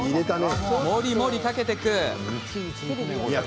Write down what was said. もりもりかけてくいや